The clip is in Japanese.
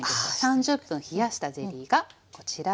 ３０分冷やしたゼリーがこちらです。